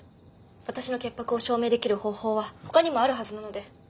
私の潔白を証明できる方法はほかにもあるはずなので。